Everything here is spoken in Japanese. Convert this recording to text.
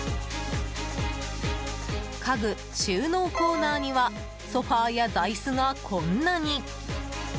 家具・収納コーナーにはソファや座椅子がこんなに。